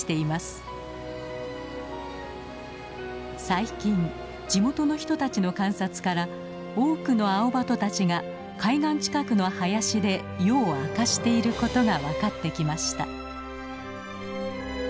最近地元の人たちの観察から多くのアオバトたちが海岸近くの林で夜を明かしていることが分かってきました。